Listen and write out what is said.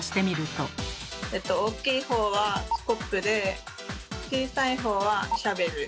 えと大きい方はスコップで小さい方はシャベル。